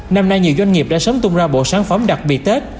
năm nay nhiều doanh nghiệp đã sớm tung ra bộ sản phẩm đặc biệt tết